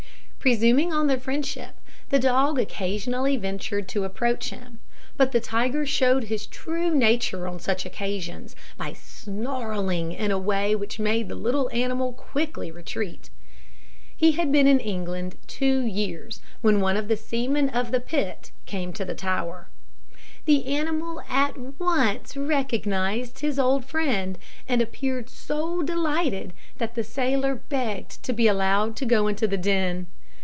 Presuming on their friendship, the dog occasionally ventured to approach him; but the tiger showed his true nature on such occasions, by snarling in a way which made the little animal quickly retreat. He had been in England two years, when one of the seamen of the Pitt came to the Tower. The animal at once recognised his old friend, and appeared so delighted, that the sailor begged to be allowed to go into the den.